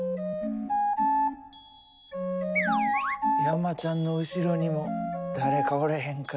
山ちゃんの後ろにも誰かおれへんか？